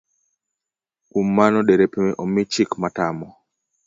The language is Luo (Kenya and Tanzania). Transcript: Kuom mano derepe omi chik matamo